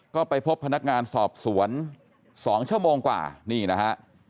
ก็ไปพบพนักงานสอบสวน๒ชั่วโมงกว่านี่นะฮะ